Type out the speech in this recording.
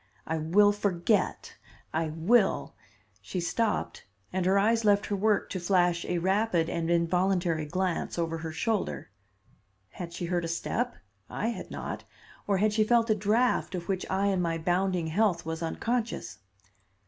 "I will forget I will " She stopped and her eyes left her work to flash a rapid and involuntary glance over her shoulder. Had she heard a step? I had not. Or had she felt a draft of which I in my bounding health was unconscious?